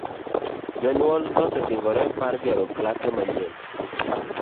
Jonyuol nosesingore mar gero klase manyien.